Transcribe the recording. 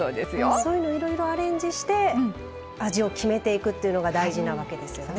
そういうのいろいろアレンジして味を決めていくっていうのが大事なわけですよね。